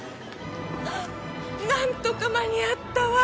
なんとか間に合ったわ。